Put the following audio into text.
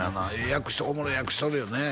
役おもろい役しとるよね